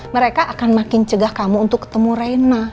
mereka akan makin cegah kamu untuk ketemu raina